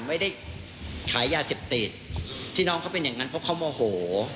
ไม่ได้ขายยาเสพติดที่น้องเขาเป็นอย่างนั้นเพราะเขาโมโห